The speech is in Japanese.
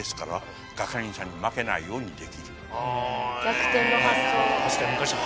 逆転の発想。